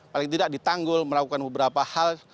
paling tidak ditanggul melakukan beberapa hal